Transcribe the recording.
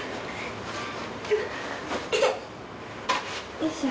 よいしょ。